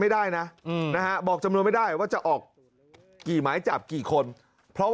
ไม่ได้นะนะฮะบอกจำนวนไม่ได้ว่าจะออกกี่หมายจับกี่คนเพราะ